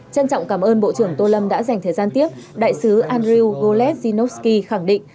trân trọng cảm ơn bộ trưởng tô lâm đã dành thời gian tiếp đại sứ andrew golet zzinovsky khẳng định